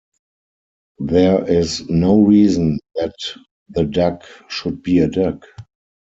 There is no reason that the duck should be a duck.